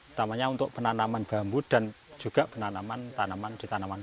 utamanya untuk penanaman bambu dan juga penanaman tanaman di tanaman